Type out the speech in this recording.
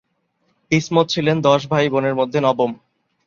ইসমত ছিলেন দশ ভাই-বোনের মধ্যে নবম।